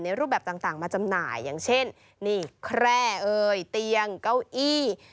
รูปแบบต่างมาจำหน่ายอย่างเช่นนี่แคร่เอ่ยเตียงเก้าอี้